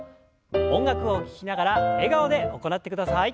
音楽を聞きながら笑顔で行ってください。